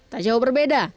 tak jauh berbeda